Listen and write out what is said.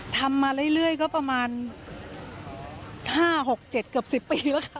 ทำมาเรื่อยก็ประมาณ๕๖๗เกือบ๑๐ปีแล้วค่ะ